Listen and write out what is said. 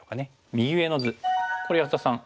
右上の図これ安田さん